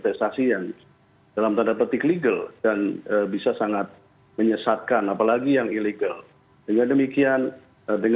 kemkoninfo mencapai empat ratus rekening